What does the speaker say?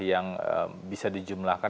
yang bisa dijumlahkan